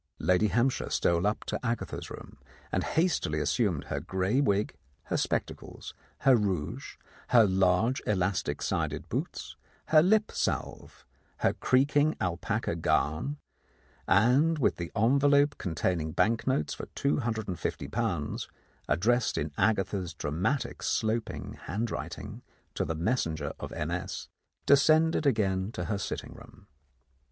Lady Hampshire stole up to Agatha's room, and hastily assumed her grey wig, her spectacles, her rouge, her large elastic sided boots, her lip salve, her creaking alpaca gown, and with the envelope con taining bank notes for ^250, addressed in Agatha's dramatic sloping handwriting to the messenger of M. S., descended again to her sitting room.